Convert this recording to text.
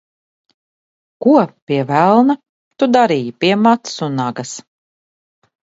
Ko, pie velna, tu darīji pie Matsunagas?